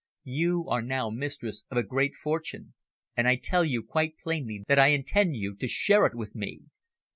You are now mistress of a great fortune, and I tell you quite plainly that I intend you to share it with me.